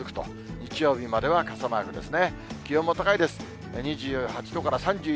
日曜日までは傘マークですね。